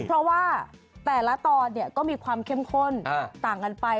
เพราะว่าแต่ละตอนก็มีความเข้มข้นต่างกันไป